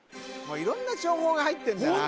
色んな情報が入ってんだな